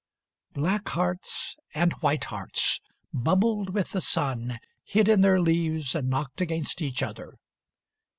XXIX Black hearts and white hearts, bubbled with the sun, Hid in their leaves and knocked against each other.